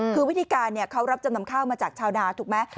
คือวิธีการเขารับจำนำข้าวมาจากชาวนาถูกไหม